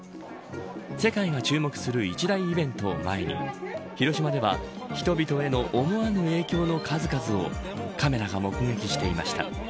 世界が注目する一大イベントを前に広島では、人々への思わぬ影響の数々をカメラが目撃していました。